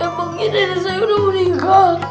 emangnya nenek saya udah meninggal